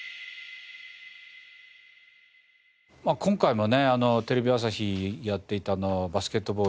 まあ今回もねテレビ朝日やっていたバスケットボール。